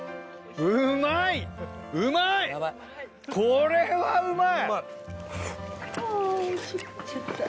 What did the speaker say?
これはうまい！